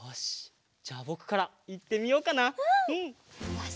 よし。